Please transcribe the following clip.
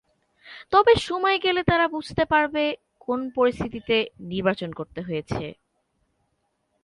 তবে সময় গেলে তারা বুঝতে পারবে, কোন পরিস্থিতিতে নির্বাচন করতে হয়েছে।